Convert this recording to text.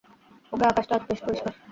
ওকে, আকাশটা আজ বেশ পরিষ্কার।